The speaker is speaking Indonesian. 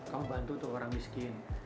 kamu bantu untuk orang miskin